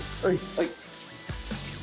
はい。